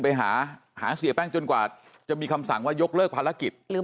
ไปหาหาเสียแป้งจนกว่าจะมีคำสั่งว่ายกเลิกภารกิจหรือ